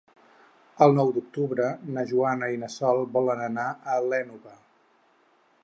El nou d'octubre na Joana i na Sol volen anar a l'Énova.